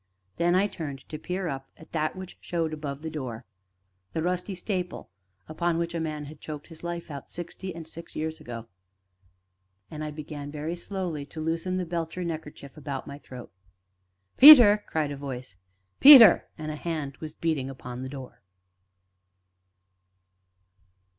Then I turned to peer up at that which showed above the door the rusty staple upon which a man had choked his life out sixty and six years ago. And I began, very slowly, to loosen the belcher neckerchief about my throat. "Peter!" cried a voice "Peter!" and a hand was beating upon the door.